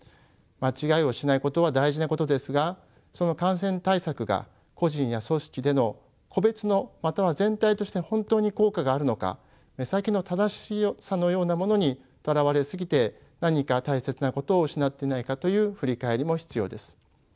間違いをしないことは大事なことですがその感染対策が個人や組織での個別のまたは全体として本当に効果があるのか目先の正しさのようなものにとらわれ過ぎて何か大切なことを失ってないかという振り返りも必要です。